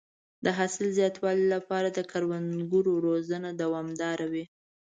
د حاصل د زیاتوالي لپاره د کروندګرو روزنه دوامداره وي.